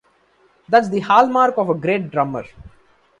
That's the hallmark of a great drummer.